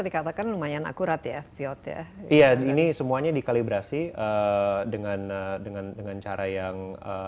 dikatakan lumayan akurat ya fiod ya iya ini semuanya dikalibrasi dengan dengan cara yang